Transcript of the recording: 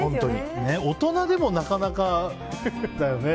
大人でもなかなかだよね。